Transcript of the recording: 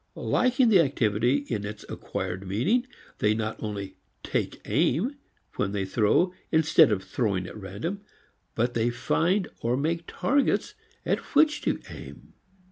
Liking the activity in its acquired meaning, they not only "take aim" when they throw instead of throwing at random, but they find or make targets at which to aim.